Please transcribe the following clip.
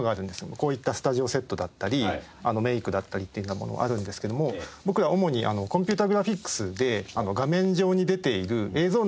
こういったスタジオセットだったりメイクだったりっていうようなものがあるんですけども僕らは主にコンピューターグラフィックスで画面上に出ている映像内のＣＧです。